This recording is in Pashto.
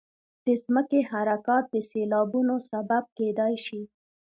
د ځمکې حرکات د سیلابونو سبب کېدای شي.